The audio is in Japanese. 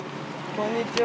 こんにちは！